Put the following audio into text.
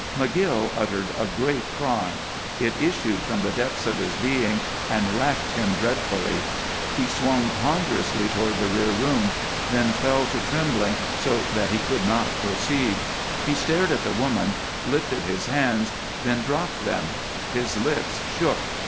McGill uttered a great cry. It issued from the depths of his being and racked him dreadfully. He swung ponderously toward the rear room, then fell to trembling so that he could not proceed. He stared at the woman, lifted his hands, then dropped them; his lips shook.